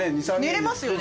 寝れますよね